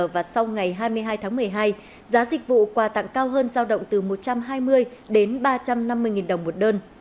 và sau ngày hai mươi hai tháng một mươi hai giá dịch vụ quà tặng cao hơn giao động từ một trăm hai mươi đến ba trăm năm mươi đồng một đơn